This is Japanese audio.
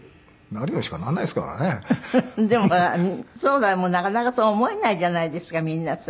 でもほらそうでもなかなかそう思えないじゃないですかみんなさ。